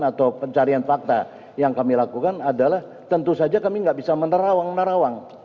atau pencarian fakta yang kami lakukan adalah tentu saja kami nggak bisa menerawang nerawang